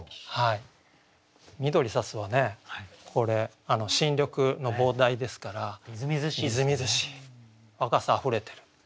「緑さす」はねこれ新緑の傍題ですからみずみずしい若さあふれてる。